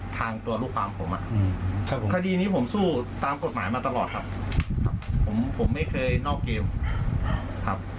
ทางตัวลูกความผมคดีนี้ผมสู้ตามกฎหมายมาตลอดครับผมผมไม่เคยนอกเกมครับ